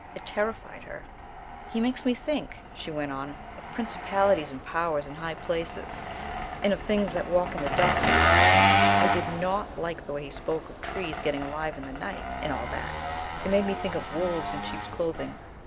It terrified her. "He makes me think," she went on, "of Principalities and Powers in high places, and of things that walk in the darkness. I did not like the way he spoke of trees getting alive in the night, and all that; it made me think of wolves in sheep's clothing.